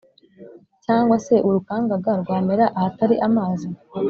cyangwa se urukangaga rwamera ahatari amazi’